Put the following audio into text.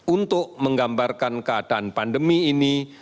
untuk menggambarkan keadaan pandemi ini